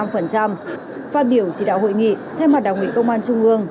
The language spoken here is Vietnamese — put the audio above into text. phát biểu chỉ đạo hội nghị theo mặt đặc mệnh công an trung ương